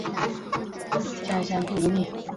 山西乡试第十五名。